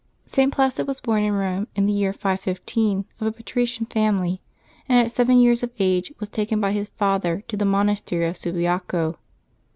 @T. Placid was born in Eome, in the year 515, of a patrician family, and at seven years of age was taken by his father to the monastery of Subiaco.